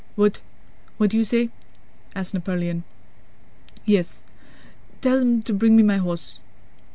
"What? What do you say?" asked Napoleon. "Yes, tell them to bring me my horse."